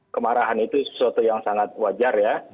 kemarahan itu sesuatu yang sangat wajar ya